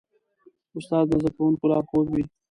استاد د زدهکوونکو لارښود وي.